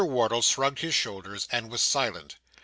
Wardle shrugged his shoulders, and was silent.